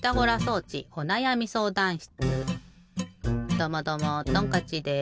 どうもどうもトンカッチです！